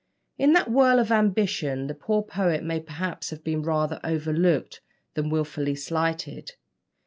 In that whirl of ambition, the poor poet may perhaps have been rather overlooked than wilfully slighted.